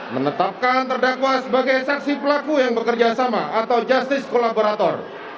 menetapkan terdakwa sebagai saksi pelaku yang bekerja sama atau justice kolaborator